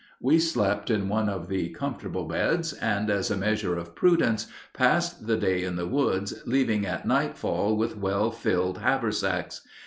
We slept in one of the comfortable beds, and, as a measure of prudence, passed the day in the woods, leaving at nightfall with well filled haversacks.